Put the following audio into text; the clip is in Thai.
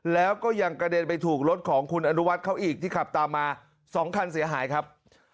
แล้วก็ยังกระเด็นไปถูกรถของคุณอนุวัฒน์เขาอีกที่ขับตามมา๒คันเสียหายครับ